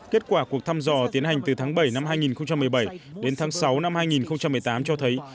kết quả cuộc thăm dò tiến hành từ tháng bảy năm hai nghìn một mươi bảy đến tháng sáu năm hai nghìn một mươi tám cho thấy